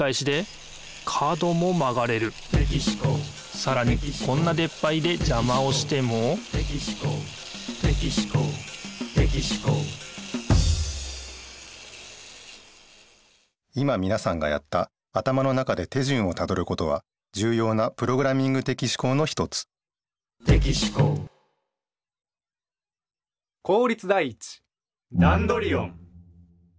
さらにこんなでっぱりでじゃまをしても今みなさんがやった頭の中で手順をたどることはじゅうようなプログラミング的思考の一つぜんいんしゅうごう！